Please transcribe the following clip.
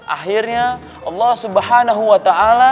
akhirnya allah swt